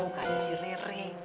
nggak sama si rere